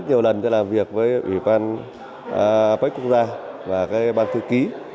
rất nhiều lần cho làm việc với ubnd apec quốc gia và các ban thư ký